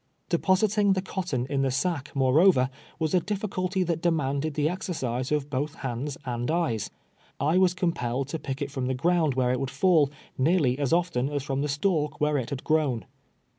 Depositing the cotton in the sack, moreover, was a difficulty that demanded the exercise of both hands and eyes. I was compelled to pick it from the ground where it would fall, nearly as often as from the stalk where it had grown.